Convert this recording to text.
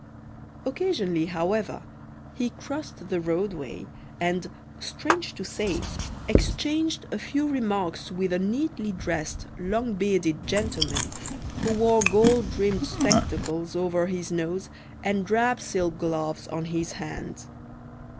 Occasionally, however, he crossed the roadway, and, strange to say, exchanged a few remarks with a neatly dressed, long bearded gentleman, who wore gold rimmed spectacles over his nose and drab silk gloves on his hands.